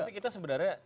tapi kita sebenarnya